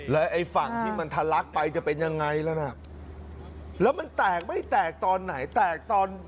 แล้วไอ้ฝั่งที่มันทะลักไปจะเป็นยังไงแล้วน่ะแล้วมันแตกไม่แตกตอนไหนแตกตอน